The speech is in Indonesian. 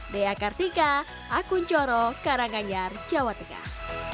di akartika akun coro karanganyar jawa tengah